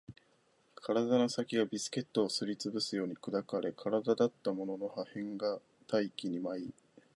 体の先がビスケットをすり潰すように砕かれ、体だったものの破片が大気に舞い